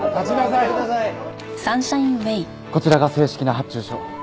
こちらが正式な発注書。